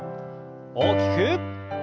大きく。